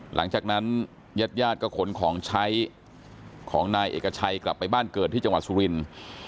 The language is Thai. หลังจากนั้นญาติญาติก็ขนของใช้ของนายเอกชัยกลับไปบ้านเกิดที่จังหวัดสุรินทร์